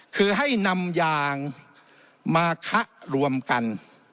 คือให้นำยางมาคะรวมกัน